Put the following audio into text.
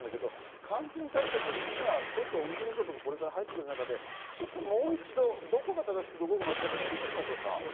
感染対策、オミクロン株、これから入る中でもう一度どこが正しくて間違っているのか見ていきましょう。